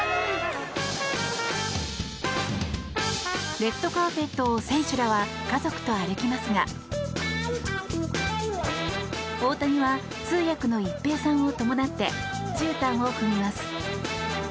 レッドカーペットを選手らは家族と歩きますが大谷は、通訳の一平さんを伴ってじゅうたんを踏みます。